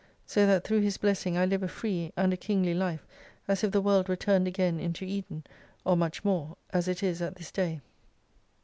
So that through His blessing I live a free and a kingly life as if the world were turned again into Eden, or much more, as it is at this day.